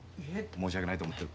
申し訳ないと思ってる。